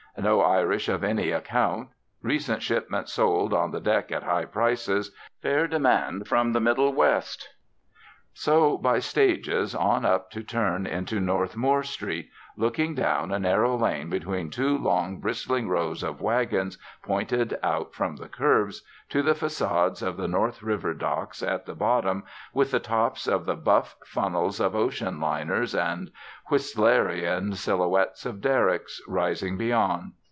No Irish of any account. Recent shipment sold on the deck at high prices. Fair demand from the Middle West." So, by stages, on up to turn into North Moore Street, looking down a narrow lane between two long bristling rows of wagons pointed out from the curbs, to the facades of the North River docks at the bottom, with the tops of the buff funnels of ocean liners, and Whistleranean silhouettes of derricks, rising beyond.